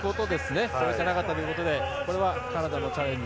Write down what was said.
越えていなかったということでカナダのチャレンジ